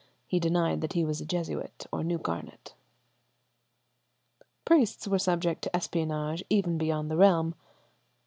He denied that he was a Jesuit or knew Garnet.[73:1] ..." Priests were subject to espionage even beyond the realm.